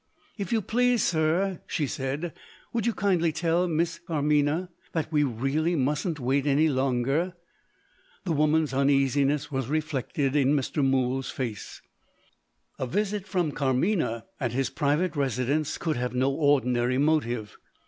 "If you please, sir," she said, "would you kindly tell Miss Carmina that we really mustn't wait any longer?" The woman's uneasiness was reflected in Mr. Mool's face. A visit from Carmina, at his private residence, could have no ordinary motive.